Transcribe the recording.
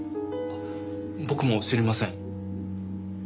僕も知りません。